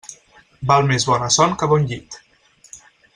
Val més bona son que bon llit.